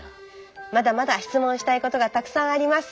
まだまだしつもんしたいことがたくさんあります。